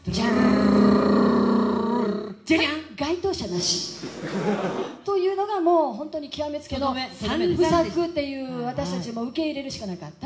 とぅるるるるるるる、じゃん、該当者なし。というのがもう、本当に極め付けの、３部作という、私たち受け入れるしかなかった。